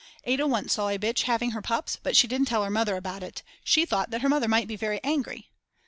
Ada once saw a bitch having her pups, but she didn't tell her mother about it; she thought that her mother might be very angry.